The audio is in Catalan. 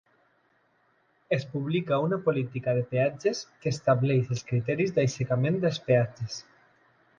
Es publica una política de peatges que estableix els criteris d'aixecament dels peatges.